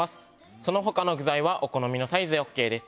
その他の具材はお好みのサイズでオーケーです。